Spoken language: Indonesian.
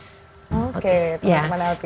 oke teman teman autis